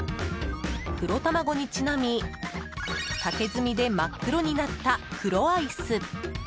黒たまごにちなみ竹墨で真っ黒になった黒アイス。